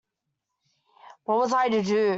What was I to do?